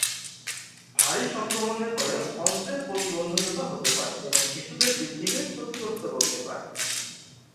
ভারী সংক্রমণের ফলে অন্ত্রের প্রতিবন্ধকতা হতে পারে এবং শিশুদের বৃদ্ধি কে ক্ষতিগ্রস্ত করতে পারে।